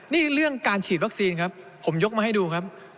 นี่เรื่องการฉีดวัคซีนครับผมยกมาให้ดูครับ